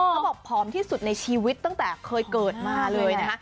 ผอมที่สุดในชีวิตตั้งแต่เคยเกิดมาเลยนะคะ